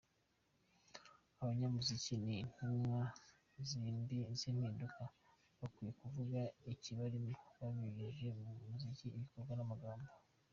Abanyamuziki ni intumwa z’impinduka; bakwiye kuvuga ikibarimo babinyujije mu muziki, ibikorwa n’amagambo.